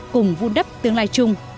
cùng vun đắp tương lai chung